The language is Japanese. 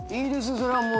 それはもう。